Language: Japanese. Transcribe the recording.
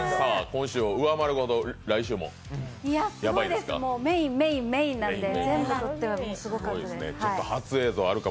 今週を上回るほど来週もやばいですか。